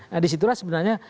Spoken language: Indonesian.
nah disitulah sebenarnya